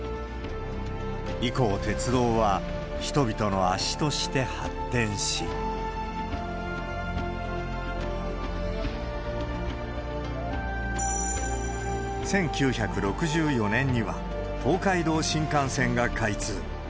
以降、鉄道は人々の足として発展し、１９６４年には、東海道新幹線が開通。